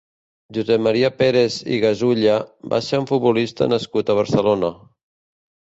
Josep Maria Pérez i Gasulla va ser un futbolista nascut a Barcelona.